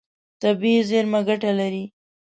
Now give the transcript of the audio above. طبیعي زیرمه ګټه لري.